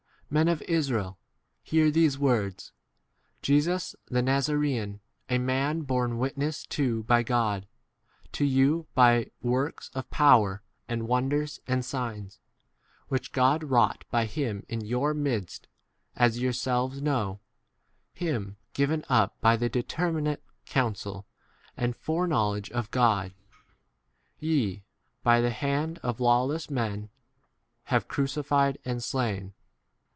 Men of Israel,* hear these words : Jesns the Nazarsean, a man borne witness to b by God to you by works of power and wonders and signs, which God wrought by him in your midst, as 28 yourselves c know — him, given up by the determinate counsel and foreknowledge of God, ye, d by [the] hand of lawless [men], e have 24 crucified and slain.